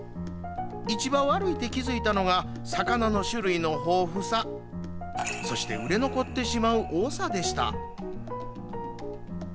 市場を歩いて気づいたのは魚の種類の豊富さそして売れ残ってしまう多さでした。